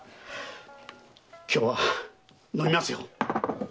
今日は飲みますよ！